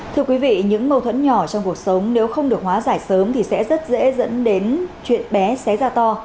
thưa quý vị những mâu thuẫn nhỏ trong cuộc sống nếu không được hóa giải sớm thì sẽ rất dễ dẫn đến chuyện bé xé ra to